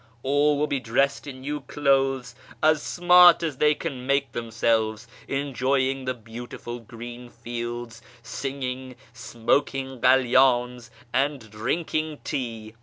All will be dressed in new clothes, as smart as they can make them selves, enjoying the beautiful green fields, singing, smoking kalydns, and drinking tea.